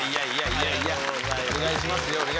いやいやお願いしますよ